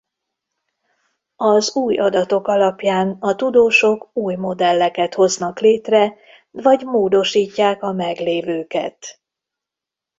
Az új adatok alapján a tudósok új modelleket hoznak létre vagy módosítják a meglévőket.